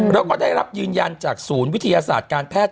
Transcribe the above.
แล้วก็ได้รับยืนยันจากศูนย์วิทยาศาสตร์การแพทย์